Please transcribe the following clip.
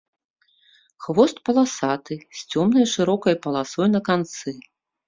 Хвост паласаты з цёмнай шырокай паласой на канцы.